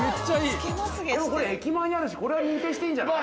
でもこれ駅前にあるしこれは認定していいんじゃない？